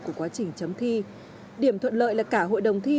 chấm thi điểm thuận lợi là cả hội đồng thi